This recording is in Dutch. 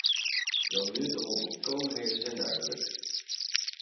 Welnu, de onvolkomenheden zijn duidelijk.